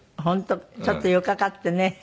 本当ちょっと寄っかかってね。